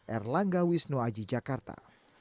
erlangga wisnuaji jakarta